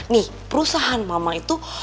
nih perusahaan mama itu